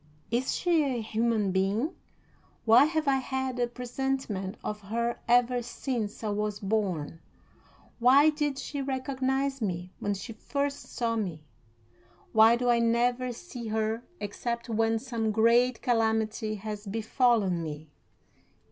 Is she a human being? Why have I had a presentiment of her ever since I was born? Why did she recognize me when she first saw me? Why do I never see her except when some great calamity has befallen me?